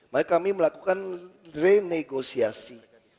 maka kami melakukan renegosiasi